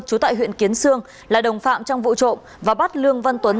trú tại huyện kiến sương là đồng phạm trong vụ trộm và bắt lương văn tuấn